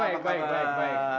baik baik baik